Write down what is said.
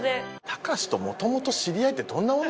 たかしともともと知り合いってどんな女なの？